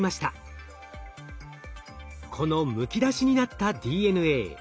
このむき出しになったＤＮＡ。